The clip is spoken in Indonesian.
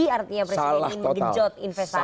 artinya presiden ingin menggenjot investasi